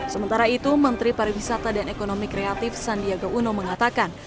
sementara itu menteri pariwisata dan ekonomi kreatif sandiaga uno mengatakan